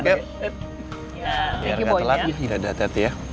biar gak telat agar hati hati ya